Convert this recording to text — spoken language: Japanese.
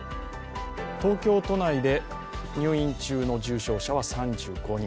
東京都内で入院中の重症者は３５人。